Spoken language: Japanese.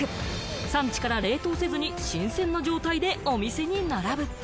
産地から冷凍せずに新鮮な状態でお店に並ぶ。